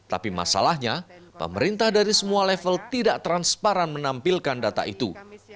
tapi masalahnya pemerintah dari semua level tidak transparan menampilkan data itu